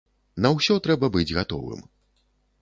На ўсё трэба быць гатовым.